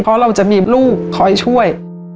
เพราะเราจะมีลูกคอยช่วย